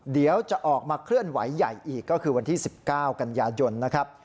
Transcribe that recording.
เดี๋ยวจะออกมาเคลื่อนไหวใหญ่อีกก็คือวันที่๑๙กันยายนนะครับ